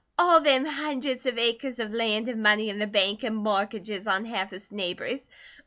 All them hundreds of acres of land an' money in the bank an' mortgages on half his neighbours.